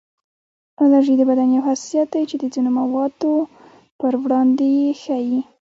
الرژي د بدن یو حساسیت دی چې د ځینو موادو پر وړاندې یې ښیي